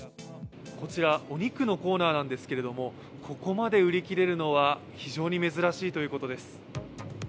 こちら、お肉のコーナーなんですけどここまで売り切れるのは非常に珍しいということです。